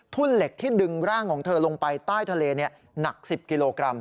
เหล็กที่ดึงร่างของเธอลงไปใต้ทะเลหนัก๑๐กิโลกรัม